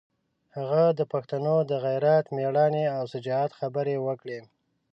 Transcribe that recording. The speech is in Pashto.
هغه د پښتنو د غیرت، مېړانې او شجاعت خبرې وکړې.